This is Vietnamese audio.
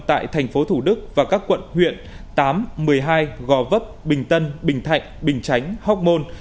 tại thành phố thủ đức và các quận huyện tám một mươi hai gò vấp bình tân bình thạnh bình chánh hóc môn